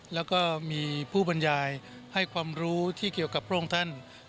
แล้วก็มีผู้บรรยายให้ความรู้ที่เกี่ยวกับพระองค์ท่าน